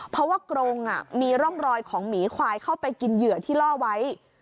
เพราะว่ากรงมีร่องรอยของหมีควายเข้าไปกินเหยื่อที่ล่อไว้